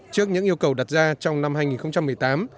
trước những yêu cầu đặt ra trong năm hai nghìn một mươi tám